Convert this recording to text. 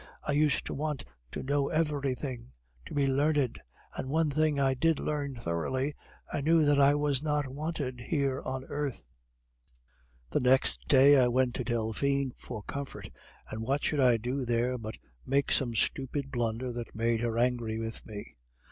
I used to want to know everything, to be learned; and one thing I did learn thoroughly I knew that I was not wanted here on earth. "The next day I went to Delphine for comfort, and what should I do there but make some stupid blunder that made her angry with me.